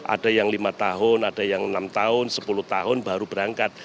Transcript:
ada yang lima tahun ada yang enam tahun sepuluh tahun baru berangkat